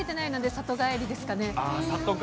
里帰りですか。